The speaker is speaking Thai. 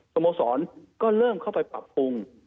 สมสรรค์ก็เริ่มเข้าไปปรับภูมิ